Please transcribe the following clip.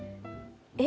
え？